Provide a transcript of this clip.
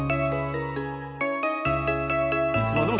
いつまでも